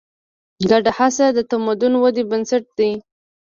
ګډه هڅه د تمدن ودې بنسټ دی.